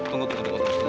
tunggu tunggu tunggu